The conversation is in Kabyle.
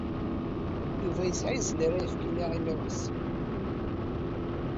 Yuba yesɛa izen ara yefk i Naɛima u Ḥsen.